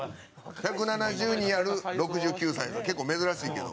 １７２ある６９歳は結構、珍しいけど。